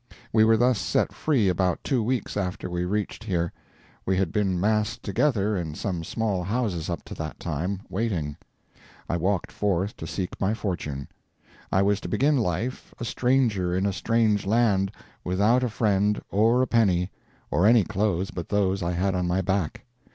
We were thus set free about two weeks after we reached here. We had been massed together in some small houses up to that time, waiting. I walked forth to seek my fortune. I was to begin life a stranger in a strange land, without a friend, or a penny, or any clothes but those I had on my back.